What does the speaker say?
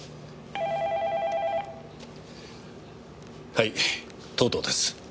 はい藤堂です。